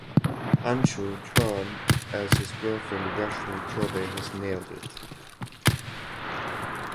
Anshul Chauhan as his girlfriend Rashmi Chaubey has nailed it.